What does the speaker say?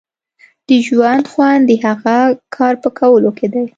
د ژوند خوند د هغه کار په کولو کې دی.